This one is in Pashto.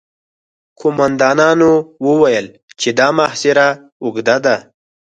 قوماندانانو وويل چې دا محاصره اوږده ده.